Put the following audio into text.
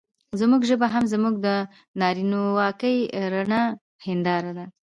زموږ ژبه هم زموږ د نارينواکۍ رڼه هېنداره ده.